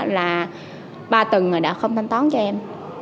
là ba tuần rồi đào không thanh toán cho em